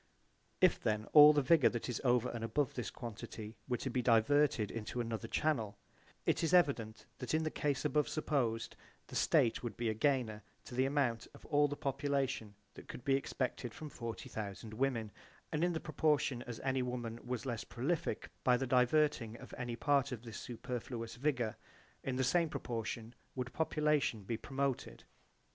If then all the vigour that is over and above this quantity were to be diverted into another channel, it is evident that in the case above supposed the state would be a gainer to the amount of all the population that could be expected from 40,000 women, and in proportion as any woman was less prolific by the diverting of any part of this superfluous / vigour, in the same proportion would population be promoted.